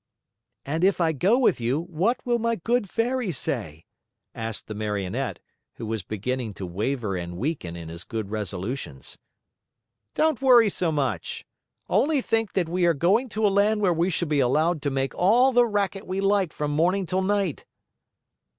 "And if I go with you, what will my good Fairy say?" asked the Marionette, who was beginning to waver and weaken in his good resolutions. "Don't worry so much. Only think that we are going to a land where we shall be allowed to make all the racket we like from morning till night."